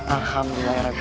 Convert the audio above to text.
alhamdulillah rai surawisesa